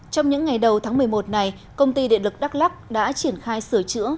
trong những ngày đầu tháng một mươi một này công ty điện lực đắk lắc đã triển khai sửa chữa